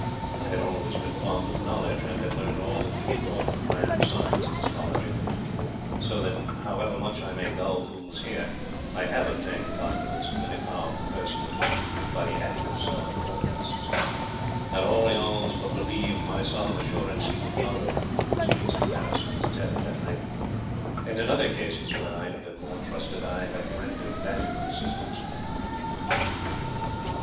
I had always been fond of knowledge, and had learned all that could be taught in the grand science of astrology, so that however much I may gull fools here, I have obtained the confidence of many powerful personages by the accuracy of my forecasts. Had Orleans but believed my solemn assurance he would not have ridden through the streets of Paris to his death that night, and in other cases where I have been more trusted I have rendered valuable assistance."